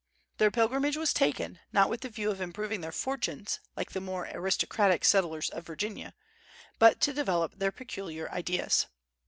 Their pilgrimage was taken, not with the view of improving their fortunes, like the more aristocratic settlers of Virginia, but to develop their peculiar ideas.